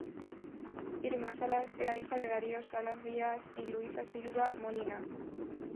Irma Salas era hija de Darío Salas Díaz y Luisa Silva Molina.